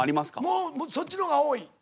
もうそっちの方が多い。